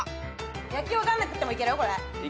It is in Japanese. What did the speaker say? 野球分かんなくてもいけるよ。